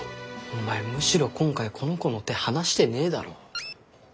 お前むしろ今回この子の手離してねえだろ。